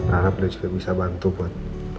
berharap beliau juga bisa bantu buat